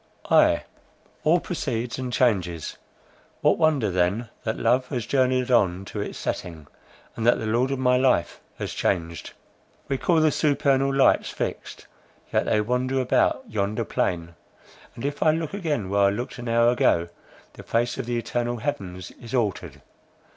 "Ay, all proceeds and changes: what wonder then, that love has journied on to its setting, and that the lord of my life has changed? We call the supernal lights fixed, yet they wander about yonder plain, and if I look again where I looked an hour ago, the face of the eternal heavens is altered.